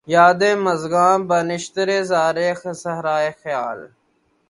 یادِ مژگاں بہ نشتر زارِ صحراۓ خیال